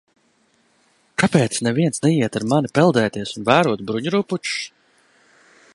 Kāpēc neviens neiet ar mani peldēties un vērot bruņurupučus?